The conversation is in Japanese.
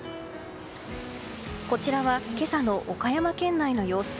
こちらは今朝の岡山県内の様子。